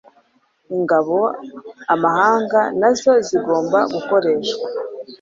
ingabo amahanga nazo zigomba gukoreshwa